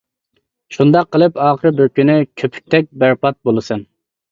شۇنداق قىلىپ ئاخىرى بىر كۈنى كۆپۈكتەك بەربات بولىسەن.